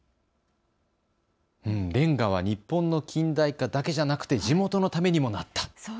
レンガは日本の近代化だけじゃなくて地元のためにもなった。